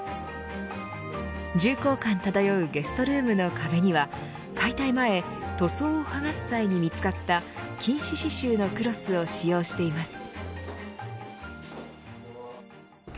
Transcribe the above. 重厚感漂うゲストルームの壁には解体前塗装を剥がす際に見つかった金糸刺しゅうのクロスを使用しています。